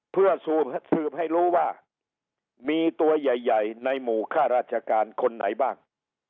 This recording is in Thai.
เพื่อสืบให้รู้ว่ามีตัวใหญ่ในหมู่ค่าราชการคนไหนบ้าง